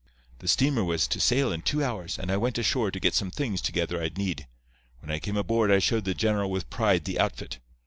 "The steamer was to sail in two hours, and I went ashore to get some things together I'd need. When I came aboard I showed the general with pride the outfit.